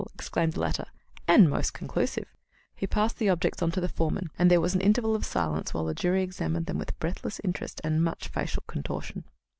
exclaimed the latter, "and most conclusive." He passed the objects on to the foreman, and there was an interval of silence while the jury examined them with breathless interest and much facial contortion.